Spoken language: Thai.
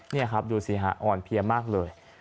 นี่ครับดูสิฮะอ่อนเพลียมากเลย